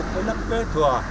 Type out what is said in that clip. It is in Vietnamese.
cứ nấp dưới thừa